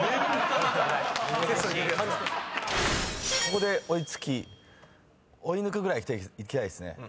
ここで追い付き追い抜くぐらいいきたいですね。